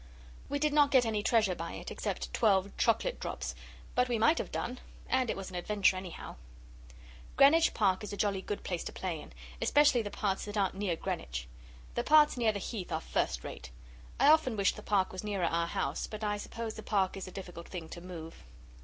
We did not get any treasure by it, except twelve chocolate drops; but we might have done, and it was an adventure, anyhow. Greenwich Park is a jolly good place to play in, especially the parts that aren't near Greenwich. The parts near the Heath are first rate. I often wish the Park was nearer our house; but I suppose a Park is a difficult thing to move.